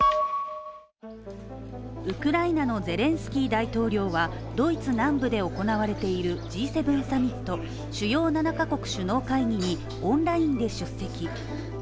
ウクライナのゼレンスキー大統領はドイツ南部で行われているＧ７サミット＝主要７か国首脳会議にオンラインで出席。